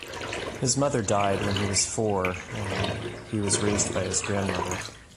His mother died when he was four and he was raised by his grandmother.